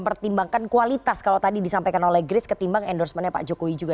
jadi kualitas kalau tadi disampaikan oleh grace ketimbang endorsement nya pak jokowi juga